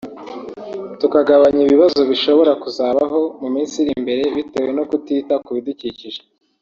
tukagabanya ibibazo bishobora kuzabaho mu minsi iri imbere bitewe no kutita ku bidukikije